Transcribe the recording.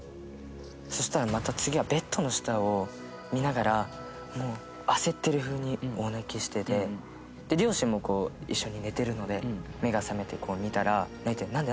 そうしたらまた次はベッドの下を見ながら焦ってる風に大泣きしてて両親も一緒に寝てるので目が覚めて見たらなんで？